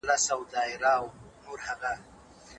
اوسنۍ نوي تکنالوژي د توليد په برخه کي له پخوانۍ څخه چټکه ده.